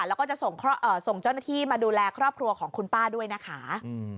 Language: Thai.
แล้วก็จะส่งเจ้าหน้าที่มาดูแลครอบครัวของคุณป้าด้วยนะคะ